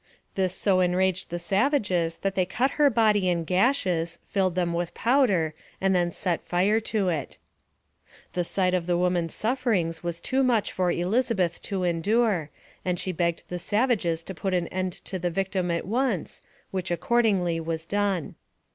This so enraged the savages that they cut her body in gashes, filled them with powder, and then set fire to it. The sight of the woman's sufferings was too much for Elizabeth to endure, and she begged the savages to put an end to the victim at once, which accordingly was done.